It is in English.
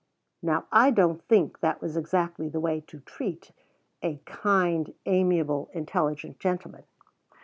Now I don't think that was exactly the way to treat "a kind, amiable, intelligent gentleman."